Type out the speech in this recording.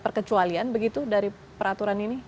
perkecualian begitu dari peraturan ini